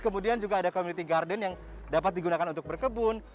kemudian juga ada community garden yang dapat digunakan untuk berkebun